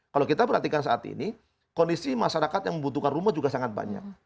kalau kita perhatikan saat ini kondisi masyarakat yang membutuhkan rumah juga sangat banyak